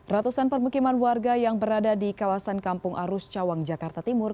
ratusan permukiman warga yang berada di kawasan kampung arus cawang jakarta timur